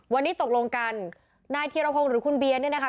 วันนี้ตกลงกันนายธีรพงศ์หรือคุณเบียร์เนี่ยนะคะ